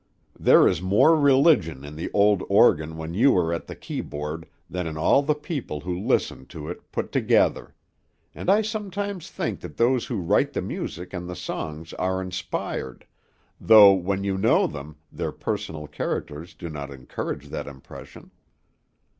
There is more religion in the old organ when you are at the keyboard than in all the people who listen to it put together; and I sometimes think that those who write the music and the songs are inspired, though when you know them, their personal characters do not encourage that impression."